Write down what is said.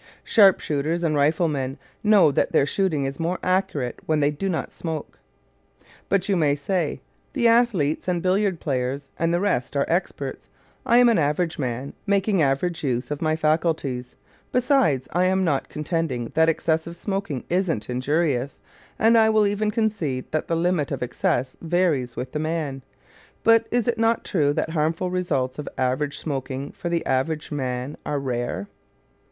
Sharp shooters and riflemen know that their shooting is more accurate when they do not smoke. But you may say: "The athletes and billiard players and the rest are experts. I am an average man, making average use of my faculties. Besides, I am not contending that excessive smoking isn't injurious, and I will even concede that the limit of excess varies with the man. But is it not true that harmful results of average smoking for the average man are rare?"